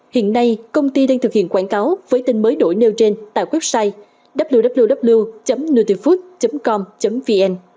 hiện nay công ty đang thực hiện quảng cáo với tên mới đổi nêu trên tại website www nutifood com vn